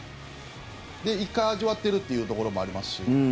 １回味わっているっていうところもありますし。